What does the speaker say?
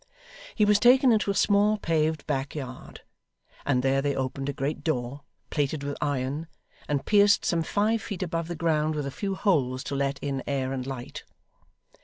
He was taken into a small paved back yard, and there they opened a great door, plated with iron, and pierced some five feet above the ground with a few holes to let in air and light.